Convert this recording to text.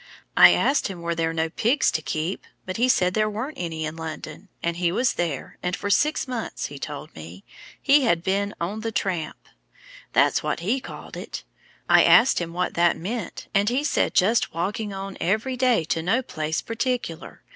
I asked him were there no pigs to keep, but he said there weren't any in London, and he was there, and for six months, he told me, he had been 'on the tramp'; that's what he called it. I asked him what that meant, and he said just walking on every day to no place particular.